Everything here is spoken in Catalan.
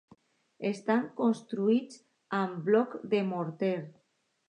Estan construïts amb bloc de morter.